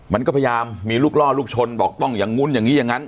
มันก็พยายามมีลูกล่อลูกชนบอกต้องอย่างนู้นอย่างนี้อย่างนั้น